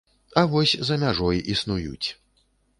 А вось за мяжой існуюць.